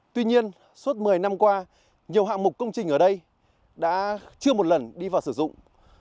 tuy nhiên suốt một mươi năm qua nhiều hạng mục công trình ở đây đã chưa một lần đi vào sử dụng